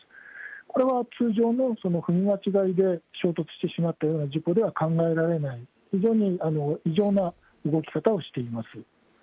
これは通常の踏み間違いで衝突してしまったような事故では考えられない、非常に異常な動き方をしています。